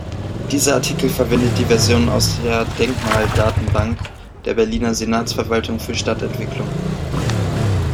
Dieser Artikel verwendet die Version aus der Denkmaldatenbank der Berliner Senatsverwaltung für Stadtentwicklung.